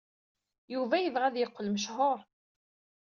Yuba yebɣa ad yeqqel mechuṛ.